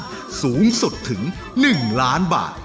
สูงสุดถึง๑ล้านบาท